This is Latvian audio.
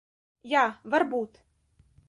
Jā, varbūt.